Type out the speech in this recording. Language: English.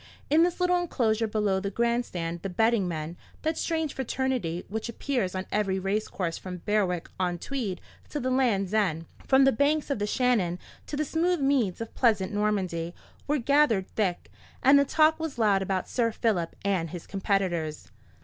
In the little enclosure below the grand stand the betting men—that strange fraternity which appears on every racecourse from Berwick on Tweed to the Land's End, from the banks of the Shannon to the smooth meads of pleasant Normandy—were gathered thick, and the talk was loud about Sir Philip and his competitors.